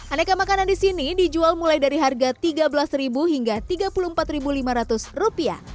aneka makanan di sini dijual mulai dari harga rp tiga belas hingga rp tiga puluh empat lima ratus